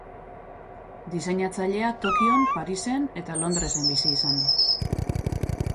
Diseinatzailea Tokion, Parisen eta Londresen bizi izan da.